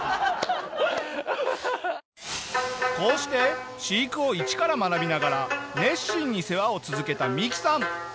こうして飼育を一から学びながら熱心に世話を続けたミキさん。